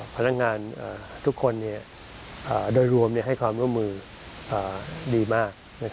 พนักงานทุกคนโดยรวมให้ความร่วมมือดีมาก